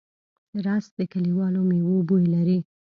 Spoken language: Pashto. رس د کلیوالو مېوو بوی لري